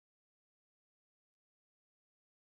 于中国有些区域民众会用其制作咸鸭蛋。